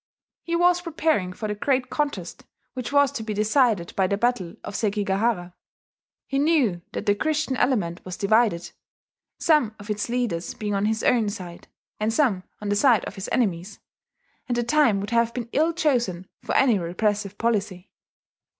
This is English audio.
He was preparing for the great contest which was to be decided by the battle of Sekigahara; he knew that the Christian element was divided, some of its leaders being on his own side, and some on the side of his enemies; and the time would have been ill chosen for any repressive policy.